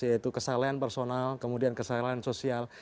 yaitu kesalahan personal kemudian kesalahan sosial